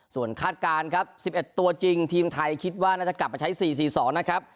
ส่วนคาดการณ์ครับ๑๑ตัวจริงทีมไทยคิดว่าน่าจะกลับมาใช้๔๔๒นะครับ